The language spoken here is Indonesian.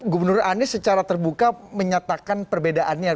gubernur anies secara terbuka menyatakan perbedaannya